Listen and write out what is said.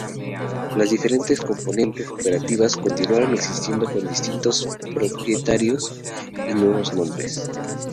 Las diferentes componentes operativas continuaron existiendo con distintos propietarios y nuevos nombres.